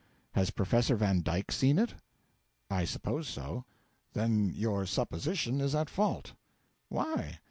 'Has Professor Van Dyke seen it?' 'I suppose so.' 'Then you supposition is at fault.' 'Why?'